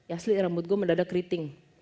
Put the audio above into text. asli rambut gue mendadak keriting